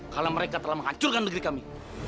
karena mereka telah menghancurkan negeri kami